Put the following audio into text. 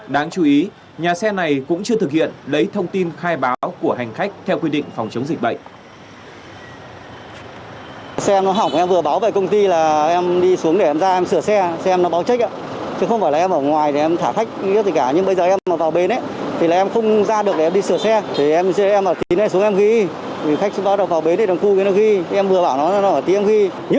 đáng chú ý nhà xe này cũng chưa thực hiện lấy thông tin khai báo của hành khách theo quy định phòng chống dịch bệnh